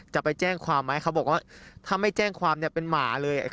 จะไปแจ้งความไหมเขาบอกว่าถ้าไม่แจ้งความเป็นหมาเลย